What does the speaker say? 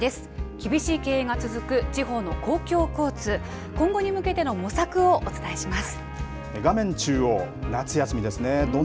厳しい経営が続く地方の公共交通今後に向けて模索をお伝えします。